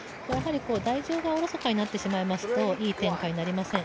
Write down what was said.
台上をおろそかにしてしまうといい展開になりません。